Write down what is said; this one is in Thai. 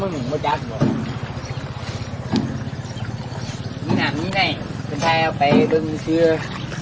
นี่ไงเป็นไทยเอาไปลุงเชื้อ